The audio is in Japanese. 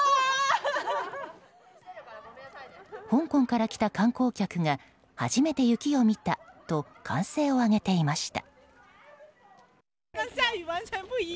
香港から来た観光客が初めて雪を見たと歓声を上げていました。